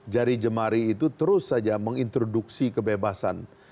jadi kita harus mengintroduksi kebebasan